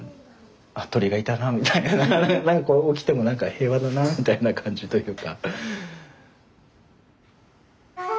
あっ鳥がいたなみたいな何かこう起きても何か平和だなみたいな感じというか。